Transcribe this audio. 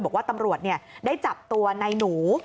บอกว่าตำรวจได้จับตัวในหนู